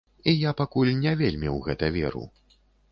І я пакуль не вельмі ў гэта веру.